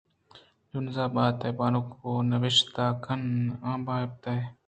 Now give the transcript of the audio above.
جنزان بات ئے بانک ءُ نبشتہ کن آن بات ئے